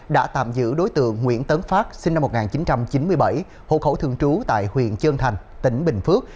đã tạm giữ đối tượng nguyễn tấn phát sinh năm một nghìn chín trăm chín mươi bảy hộ khẩu thường trú tại huyện trân thành tỉnh bình phước